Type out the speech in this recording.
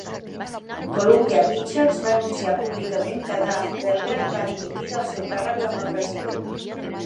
Columbia Pictures va anunciar públicament que Doug Belgrad va dimitir del seu càrrec com a president.